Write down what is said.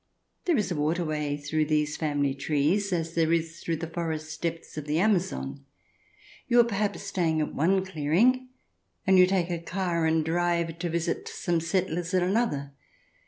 There is a waterway through these family trees as there is through the forest depths of the Amazon ; you are perhaps staying at one clearing, and you take a car and drive to visit some settlers at another.